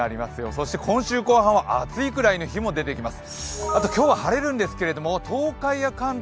そして今週後半は暑いくらいの日も出てきます。